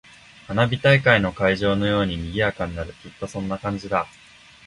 花火大会の会場のように賑やかになる。きっとそんな感じだ。